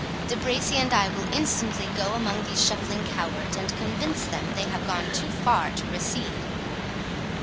De Bracy and I will instantly go among these shuffling cowards, and convince them they have gone too far to recede."